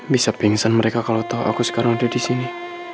bisa pingsan mereka kalau tahu aku sekarang udah di sini